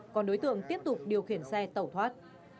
còn đối tượng tiếp tục điều khiển xe tẩu thoát